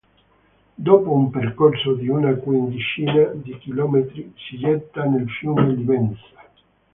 Dopo un percorso di una quindicina di chilometri si getta nel fiume Livenza.